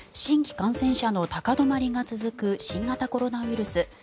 新規感染者の高止まりが続く新型コロナウイルス。